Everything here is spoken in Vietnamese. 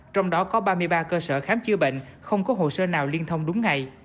trong đó có ba mươi ba cơ sở khám chữa bệnh không có hồ sơ nào liên thông đúng ngày